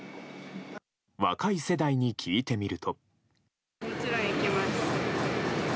若い世代に聞いてみると。